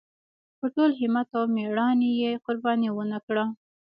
په ټول همت او مېړانۍ یې قرباني ونکړه.